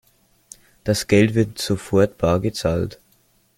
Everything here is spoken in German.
Das Geld wird sofort bar bezahlt.